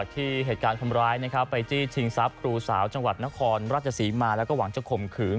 ที่เหตุการณ์คนร้ายไปจี้ชิงทรัพย์ครูสาวจังหวัดนครราชศรีมาแล้วก็หวังจะข่มขืน